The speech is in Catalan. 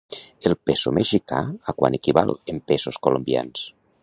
El peso mexicà a quant equival en pesos colombians?